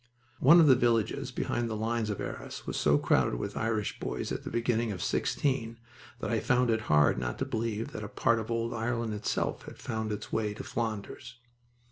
One of the villages behind the lines of Arras was so crowded with Irish boys at the beginning of '16 that I found it hard not to believe that a part of old Ireland itself had found its way to Flanders.